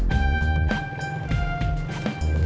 siap capek pak